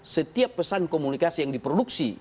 setiap pesan komunikasi yang diproduksi